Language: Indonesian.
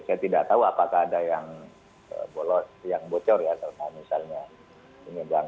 saya tidak tahu apakah ada yang bolos yang bocor ya terkait misalnya penyegang